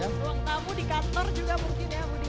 ruang tamu di kantor juga mungkin ya budi